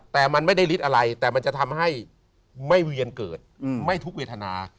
แต่มันไม่ได้ฤทธิ์อะไรแต่มันจะทำให้ไม่เวียนเกิดไม่ทุกเวทนา